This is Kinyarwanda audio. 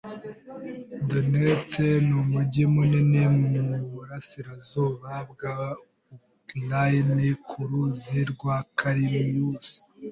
Donetsk n'umujyi munini mu burasirazuba bwa Ukraine ku ruzi rwa Kalmius.